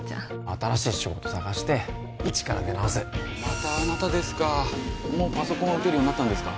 新しい仕事探して一から出直すまたあなたですかもうパソコンは打てるようになったんですか？